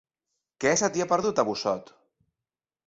Què se t'hi ha perdut, a Busot?